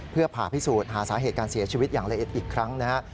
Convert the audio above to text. เพื่อผ่าพิสูจน์หาสาเหตุการเสียชีวิตอย่างละเอียดอีกครั้งนะครับ